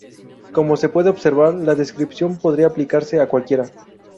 Como se puede observar, la descripción podría aplicarse a cualquiera.